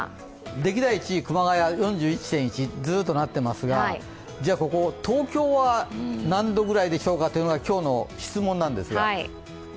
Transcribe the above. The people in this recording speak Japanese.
歴代１位熊谷となっていますが、東京は何度ぐらいでしょうかというのが今日の質問なんですが。